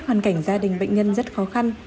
hoàn cảnh gia đình bệnh nhân rất khó khăn